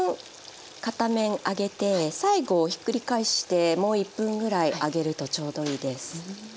片面揚げて最後ひっくり返してもう１分ぐらい揚げるとちょうどいいです。